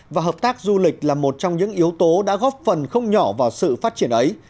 và hợp tác du lịch là một trong những yếu tố đã góp phần không nhỏ vào sự phát triển ấy